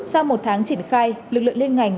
sau một tháng triển khai lực lượng liên ngành